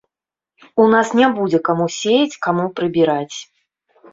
У нас не будзе каму сеяць, каму прыбіраць.